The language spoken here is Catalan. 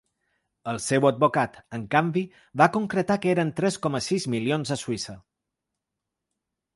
El seu advocat, en canvi, va concretar que eren tres coma sis milions a Suïssa.